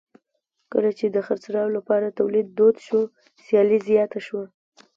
کله چې د خرڅلاو لپاره تولید دود شو سیالي زیاته شوه.